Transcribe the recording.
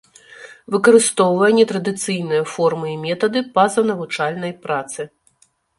Выкарыстоўвае нетрадыцыйныя формы і метады пазанавучальнай працы.